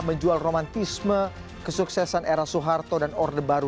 menjual romantisme kesuksesan era soeharto dan orde baru